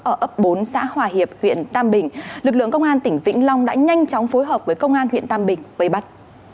ở ấp bốn xã hòa hiệp huyện tam bình lực lượng công an tỉnh vĩnh long đã nhanh chóng phối hợp với công an huyện tam bình vây bắt